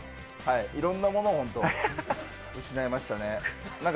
いろんなものを失いましたね。